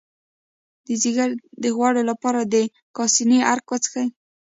د ځیګر د غوړ لپاره د کاسني عرق وڅښئ